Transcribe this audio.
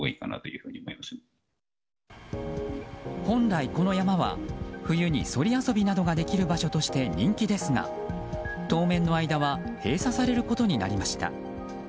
本来、この山は冬にそり遊びなどができる場所として人気ですが、当面の間は閉鎖されることになりました。